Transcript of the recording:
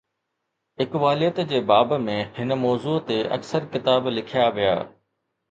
اقباليت جي باب ۾ هن موضوع تي اڪثر ڪتاب لکيا ويا.